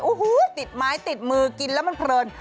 โอ้โหติดไม้ติดมือกินแล้วมันเพลิน